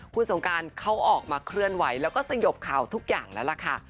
คุณสงการเขาออกมาเคลื่อนไหวแล้วก็สยบข่าวทุกอย่างแล้วล่ะค่ะ